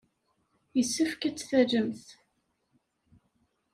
Yessefk ad tt-tallemt.